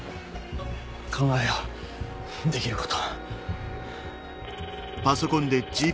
考えようできることを。